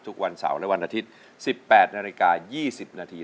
ทุกวันเสาร์และวันอาทิตย์๑๘นาฬิกา๒๐นาที